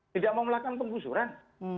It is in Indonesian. tidak mau melakukan pengusuran